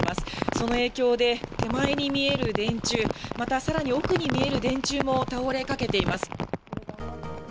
その影響で、手前に見える電柱、またさらに奥に見える電柱も倒れかけています。